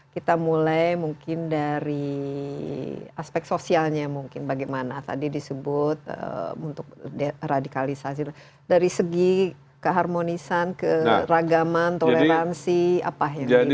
kita mulai mungkin dari aspek sosialnya mungkin bagaimana tadi disebut untuk radikalisasi dari segi keharmonisan keragaman toleransi apa yang dilakukan